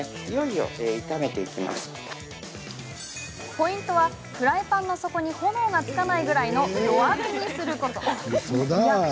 ポイントは、フライパンの底に炎がつかないぐらいの弱火にすること。